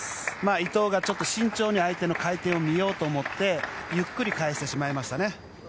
伊藤がちょっと慎重に相手の回転を見ようと思ってゆっくり返してしまいましたね。